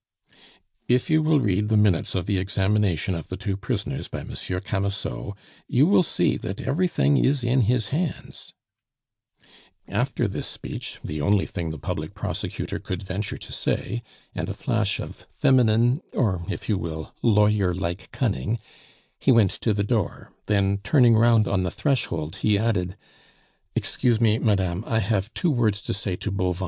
"If you will read the minutes of the examination of the two prisoners by Monsieur Camusot, you will see that everything is in his hands " After this speech, the only thing the public prosecutor could venture to say, and a flash of feminine or, if you will, lawyer like cunning, he went to the door; then, turning round on the threshold, he added: "Excuse me, madame; I have two words to say to Bauvan."